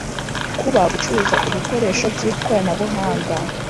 Kuba gucuruza ibikoresho by ikoranabuhanga